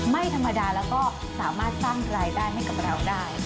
ไม่ธรรมดาแล้วก็สามารถสร้างรายได้ให้กับเราได้